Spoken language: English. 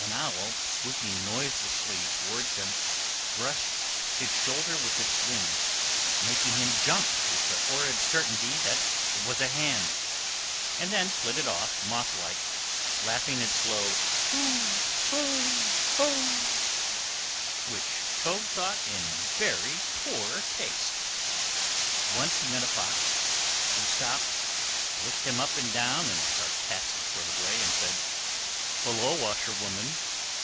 An owl, swooping noiselessly towards him, brushed his shoulder with its wing, making him jump with the horrid certainty that it was a hand; then flitted off, moth like, laughing its low ho! ho! ho; which Toad thought in very poor taste. Once he met a fox, who stopped, looked him up and down in a sarcastic sort of way, and said, "Hullo, washerwoman!